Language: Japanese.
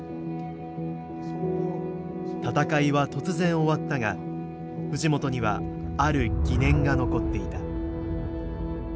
闘いは突然終わったが藤本にはある疑念が残っていた。